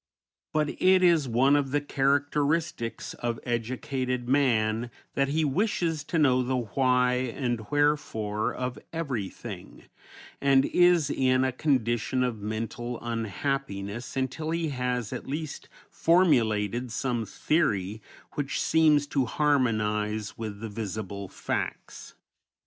But it is one of the characteristics of educated man that he wishes to know the why and wherefore of everything, and is in a condition of mental unhappiness until he has at least formulated some theory which seems to harmonize with the visible facts.